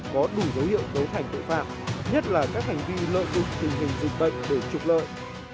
có đủ dấu hiệu cấu thành tội phạm nhất là các hành vi lợi dụng tình hình dịch bệnh để trục lợi